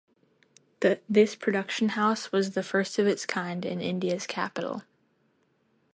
This Production House was the first of its kind in India's capital.